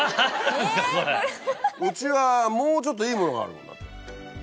うちはもうちょっといいものがあるもんだって。